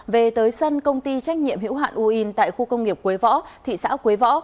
về tới sân công ty trách nhiệm hữu hạn uyên tại khu công nghiệp quế võ thị xã quế võ